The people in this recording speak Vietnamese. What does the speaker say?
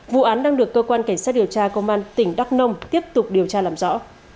vụ án đang được cơ quan cảnh sát điều tra công an tỉnh đắk nông tiếp tục điều tra làm rõ